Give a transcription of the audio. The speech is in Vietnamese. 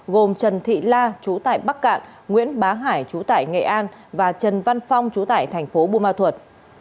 gồm trần thị la chú tại bắc cạn nguyễn bá hải chú tải nghệ an và trần văn phong chú tại thành phố bùa ma thuật